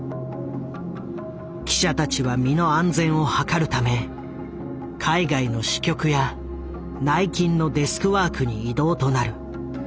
記者たちは身の安全を図るため海外の支局や内勤のデスクワークに異動となる。